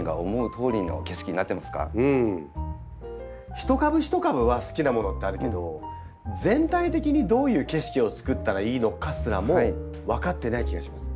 一株一株は好きなものってあるけど全体的にどういう景色をつくったらいいのかすらも分かってない気がします。